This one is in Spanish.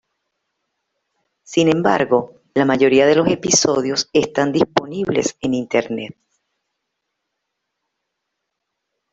Sin embargo, la mayoría de los episodios están disponibles en Internet.